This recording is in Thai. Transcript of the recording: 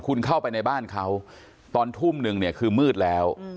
คุณเข้าไปในบ้านเขาตอนทุ่มนึงเนี่ยคือมืดแล้ว